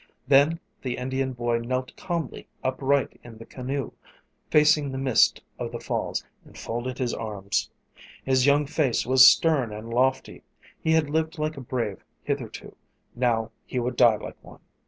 Then the Indian boy knelt calmly upright in the canoe, facing the mist of the falls, and folded his arms. His young face was stern and lofty. He had lived like a brave hitherto now he would die like one.